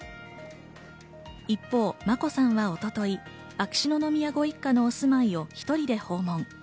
一方、眞子さんは一昨日、秋篠宮ご一家のお住まいを１人で訪問。